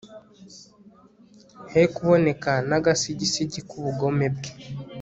he kuboneka n'agasigisigi k'ubugome bwe